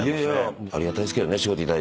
ありがたいですけどね。